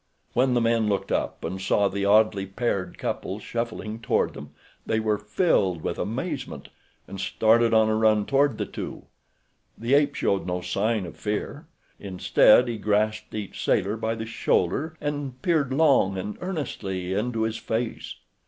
When the men looked up and saw the oddly paired couple shuffling toward them they were filled with amazement, and started on a run toward the two. The ape showed no sign of fear. Instead he grasped each sailor by the shoulder and peered long and earnestly into his face.